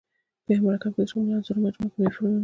په یوه مرکب کې د شاملو عنصرونو مجموعه کیمیاوي فورمول دی.